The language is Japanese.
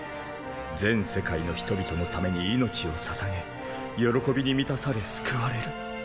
全世界の人々のために命をささげ喜びに満たされ救われる。